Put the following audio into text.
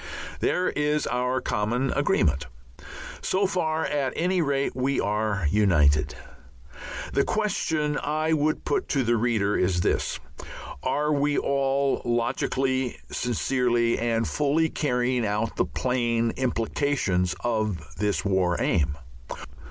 There is our common agreement. So far, at any rate, we are united. The question I would put to the reader is this: Are we all logically, sincerely, and fully carrying out the plain implications of this War Aim?